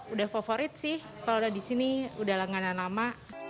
udah favorit sih kalo disini udah langganan lama